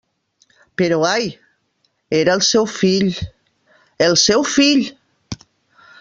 Però ai!, era el seu fill..., el seu fill!